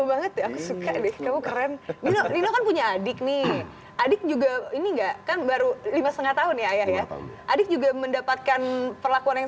adik adik juga ini enggak kan baru lima setengah tahun ya ya adik juga mendapatkan perlakuan yang